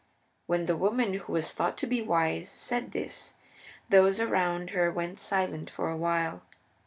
When the woman who was thought to be wise said this, those around her were silent for a while.